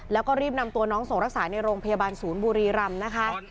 แล้วก็รีบนำตัวน้องส่งรักษาในโรงพยาบาลศูนย์บุรีรำนะคะ